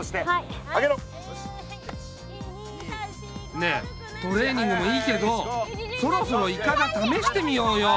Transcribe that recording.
ねえトレーニングもいいけどそろそろいかだためしてみようよ。